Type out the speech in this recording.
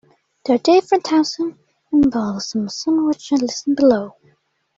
There are different types of embolism, some of which are listed below.